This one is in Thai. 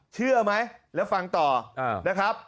เชื่อไหมแล้วฟังต่อนะครับ